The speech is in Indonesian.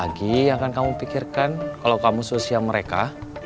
apalagi yang akan kamu pikirkan kalau kamu susia mereka